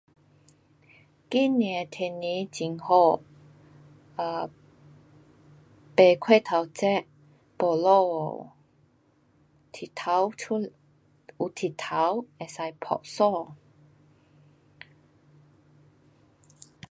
今天的天气很好。um 不过头热。没下雨。太阳出，有日头，可以嗮衣。